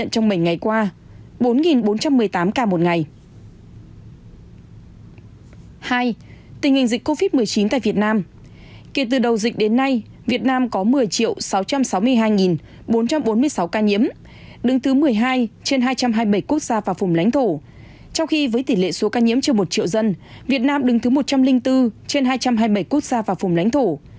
trong khi với tỷ lệ số ca nhiễm trên một triệu dân việt nam đứng thứ một trăm linh bốn trên hai trăm hai mươi bảy quốc gia và phùng lãnh thổ